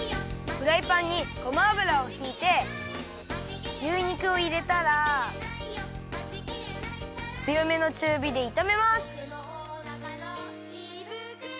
フライパンにごま油をひいて牛肉をいれたらつよめのちゅうびでいためます。